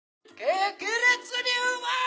激烈にうまっ！